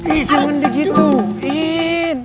ih jangan di gituin